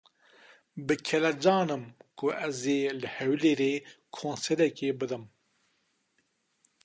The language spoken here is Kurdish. Bi kelecan im ku ez ê li Hewlêrê konserekê bidim.